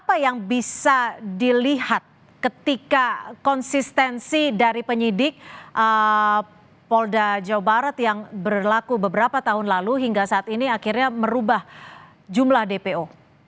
apa yang bisa dilihat ketika konsistensi dari penyidik polda jawa barat yang berlaku beberapa tahun lalu hingga saat ini akhirnya merubah jumlah dpo